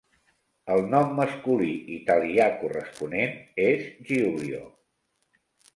El nom masculí italià corresponent és Giulio.